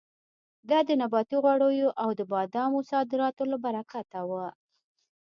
دا د نباتي غوړیو او د بادامو د صادراتو له برکته وه.